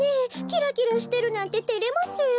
キラキラしてるなんててれますよ。